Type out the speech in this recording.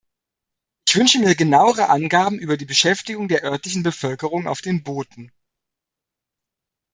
Ich wünsche mir genauere Angaben über die Beschäftigung der örtlichen Bevölkerung auf den Booten.